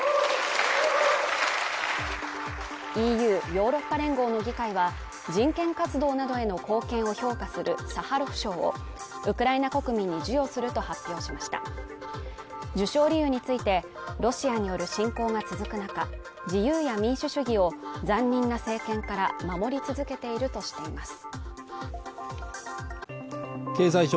ＥＵ＝ヨーロッパ連合の議会は人権活動などへの貢献を評価するサハロフ賞をウクライナ国民に授与すると発表しました授賞理由についてロシアによる侵攻が続く中自由や民主主義を残忍な政権から守り続けているとしています